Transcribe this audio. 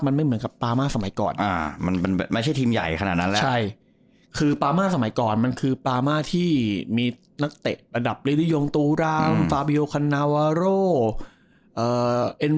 นักเตะระดับในรียองตูรามฟาบิโยคันนาวาโรเอ่อ